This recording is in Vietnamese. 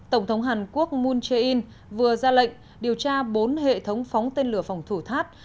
tổng thống hàn quốc moon jae in vừa ra lệnh điều tra bốn hệ thống phóng tên lửa phòng thủ thát